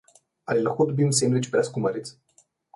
Ali lahko dobim sendvič brez kumaric?